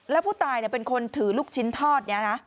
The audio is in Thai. แล้วผู้ตายเป็นคนถือลูกชิ้นทอดนี้นะ